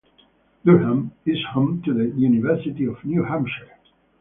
Durham is home to the University of New Hampshire.